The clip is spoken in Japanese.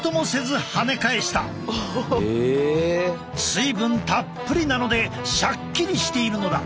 水分たっぷりなのでシャッキリしているのだ。